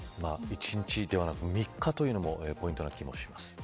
１日ではなく３日というのもポイントな気がします。